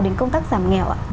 đến công tác giảm nghèo ạ